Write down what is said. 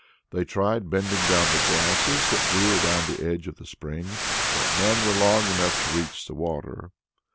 They tried bending down the grasses that grew around the edge of the spring, but none were long enough to reach the water.